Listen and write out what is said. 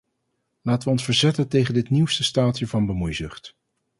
Laten we ons verzetten tegen dit nieuwste staaltje van bemoeizucht.